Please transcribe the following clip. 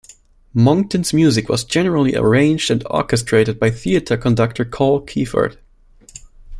Monckton's music was generally arranged and orchestrated by theatre conductor Carl Kiefert.